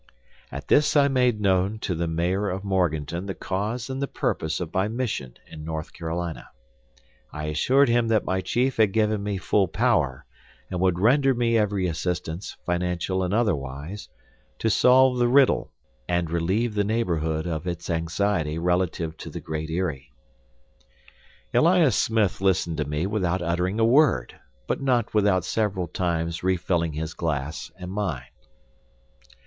At this I made known to the mayor of Morganton the cause and the purpose of my mission in North Carolina. I assured him that my chief had given me full power, and would render me every assistance, financial and otherwise, to solve the riddle and relieve the neighborhood of its anxiety relative to the Great Eyrie. Elias Smith listened to me without uttering a word, but not without several times refilling his glass and mine.